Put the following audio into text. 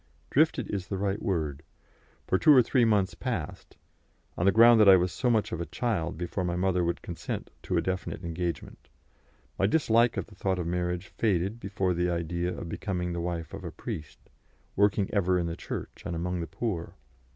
"Drifted" is the right word, for two or three months passed, on the ground that I was so much of a child, before my mother would consent to a definite engagement; my dislike of the thought of marriage faded before the idea of becoming the wife of a priest, working ever in the Church and among the poor.